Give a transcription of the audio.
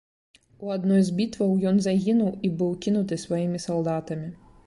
У адной з бітваў ён загінуў і быў кінуты сваімі салдатамі.